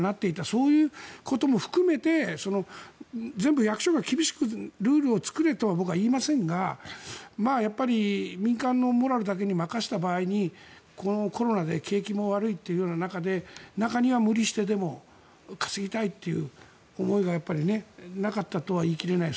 そういうことも含めて全部、役所が厳しくルールを作れとは僕は言いませんがやっぱり民間のモラルだけに任せた場合にこのコロナで景気も悪い中で中には無理してでも稼ぎたいという思いがなかったとは言い切れない。